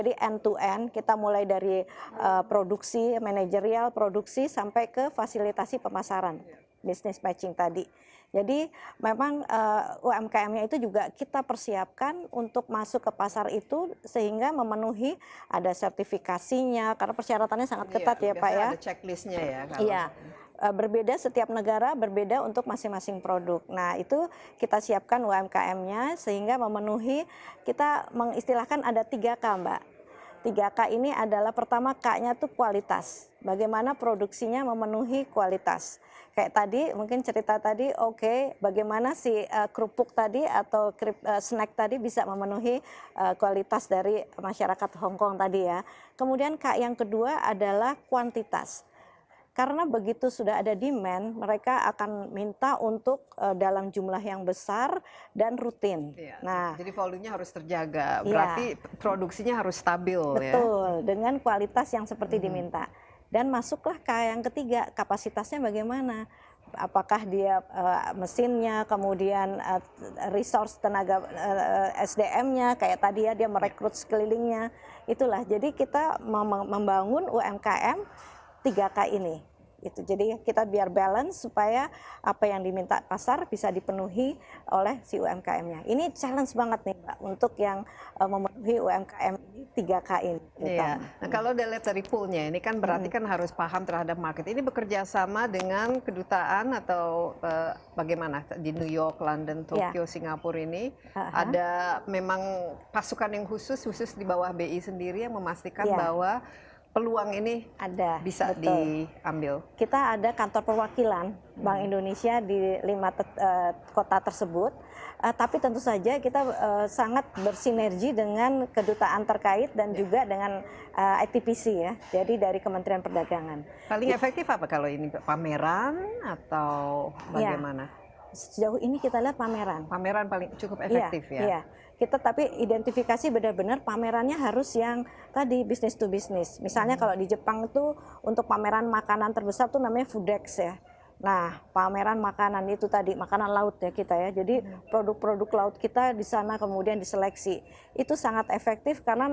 di sana mereka juga bertugas untuk mengidentifikasi pasar pasarnya seperti apa produk yang in demand persyaratannya kemudian kualifikasi yang dibutuhkan nah itu jadi dan juga event event promosi promosi perdagangan internasional yang b dua b ya jadi kita nggak menyasar yang retail kita bagaimana yang b dua b nah itu tugas mereka ini jadi dari sisi